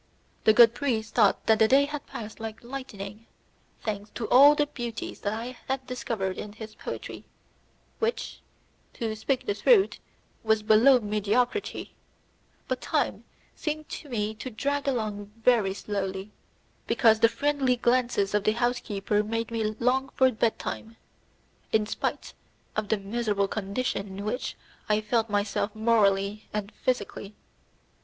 The good priest thought that the day had passed like lightning, thanks to all the beauties I had discovered in his poetry, which, to speak the truth, was below mediocrity, but time seemed to me to drag along very slowly, because the friendly glances of the housekeeper made me long for bedtime, in spite of the miserable condition in which I felt myself morally and physically.